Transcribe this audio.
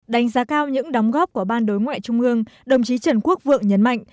đánh giá cao những đóng góp của ban đối ngoại trung ương đồng chí trần quốc vượng nhấn mạnh